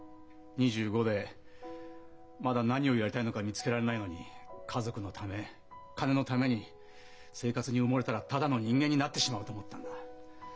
２５でまだ何をやりたいのか見つけられないのに家族のため金のために生活に埋もれたらただの人間になってしまうと思ったんだ。